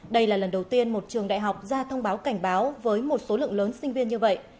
đây là lần đầu tiên một trường đại học ra thông báo cảnh báo với một số lượng lớn sinh viên như vậy